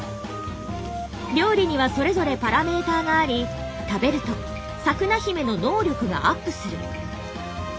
料理にはそれぞれパラメーターがあり食べるとサクナヒメの能力がアップする。